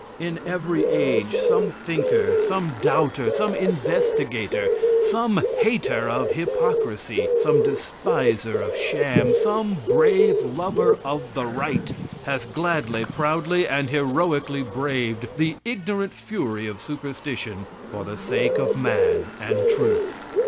In every age some thinker, some doubter, some investigator, some hater of hypocrisy, some despiser of sham, some brave lover of the right, has gladly, proudly and heroically braved the ignorant fury of superstition for the sake of man and truth.